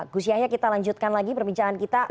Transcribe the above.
gu syahya kita lanjutkan lagi perbincangan kita